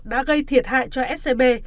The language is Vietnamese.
đã gây thiệt hại cho scb